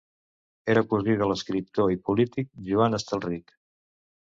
Era cosí de l'escriptor i polític Joan Estelrich.